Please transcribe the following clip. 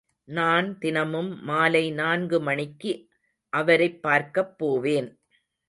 நான் தினமும் மாலை நான்கு மணிக்கு அவரைப் பார்க்கப் போவேன்.